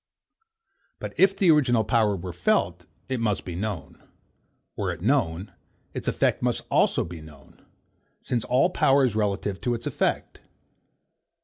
But if the original power were felt, it must be known: Were it known, its effect also must be known; since all power is relative to its effect.